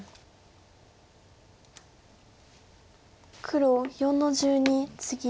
黒４の十二ツギ。